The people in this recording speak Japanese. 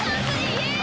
イエーイ！